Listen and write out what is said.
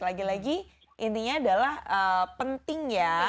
lagi lagi intinya adalah penting ya